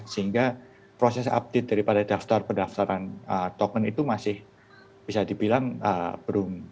sehingga proses update daripada daftar pendaftaran token itu masih bisa dibilang belum